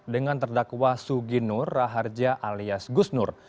dengan terdakwa suginur raharja alias gusnur